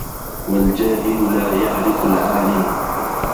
وَالْجَاهِلُ لَا يَعْرِفُ الْعَالِمَ